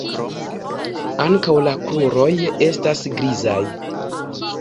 Ankaŭ la kruroj estas grizaj.